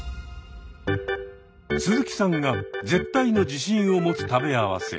鈴木さんが絶対の自信を持つ「食べ合わせ」。